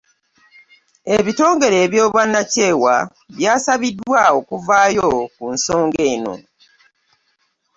Ebitongole eby'obwanakyeewa byasabiddwa okuvaayo ku nsonga eno.